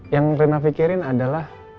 yang rena fikirin adalah